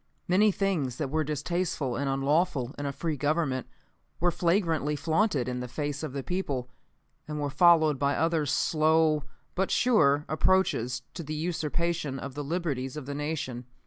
"Many things that were distasteful and unlawful in a free government were flagrantly flaunted in the face of the people, and were followed by other slow, but sure, approaches to the usurpation of the liberties of the Nation.